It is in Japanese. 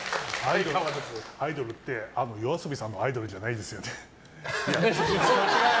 アイドルってＹＯＡＳＯＢＩさんの「アイドル」じゃないですよね？